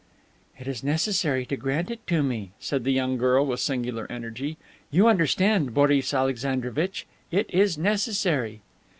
"It is necessary to grant it to me," said the young girl with singular energy. "You understand, Boris Alexandrovitch! It is necessary."